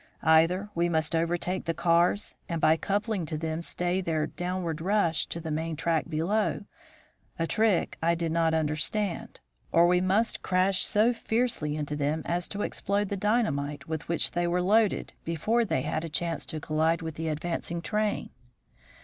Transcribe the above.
Either we must overtake the cars and by coupling to them stay their downward rush to the main track below a trick I did not understand or we must crush so fiercely into them as to explode the dynamite with which they were loaded before they had a chance to collide with the advancing train.